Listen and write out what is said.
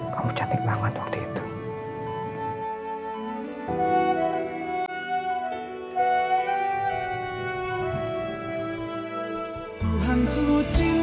kamu cantik banget waktu itu